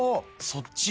そっち？